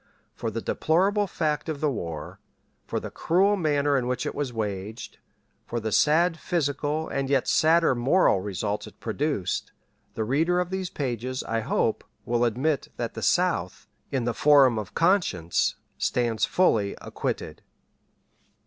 For the deplorable fact of the war, for the cruel manner in which it was waged, for the sad physical and yet sadder moral results it produced, the reader of these pages, I hope, will admit that the South, in the forum of conscience, stands fully acquitted.